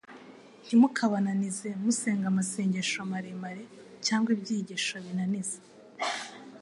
Ntimukabananize musenga amasengesho maremare cyangwa ibyigisho binaniza,